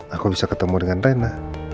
aku bisa ketemu dengan raina